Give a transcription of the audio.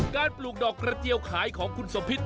การปลูกดอกกระเจียวขายของคุณสมฤทธิ์